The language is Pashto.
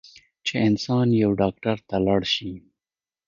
چې انسان يو ډاکټر له لاړشي